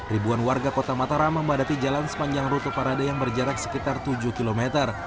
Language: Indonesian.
ribuan warga kota mataram membadati jalan sepanjang rute parade yang berjarak sekitar tujuh km